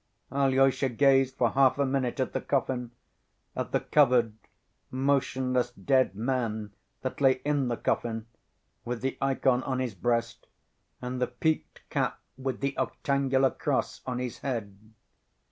Alyosha gazed for half a minute at the coffin, at the covered, motionless dead man that lay in the coffin, with the ikon on his breast and the peaked cap with the octangular cross, on his head.